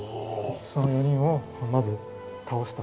その４人をまず倒したと。